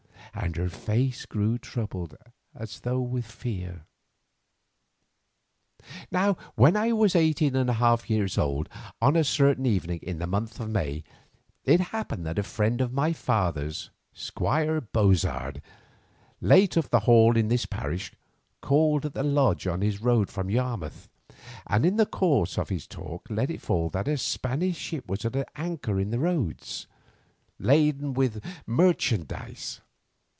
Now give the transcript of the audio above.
And her face grew troubled as though with fear. Now when I was eighteen and a half years old, on a certain evening in the month of May it happened that a friend of my father's, Squire Bozard, late of the Hall in this parish, called at the Lodge on his road from Yarmouth, and in the course of his talk let it fall that a Spanish ship was at anchor in the Roads, laden with merchandise.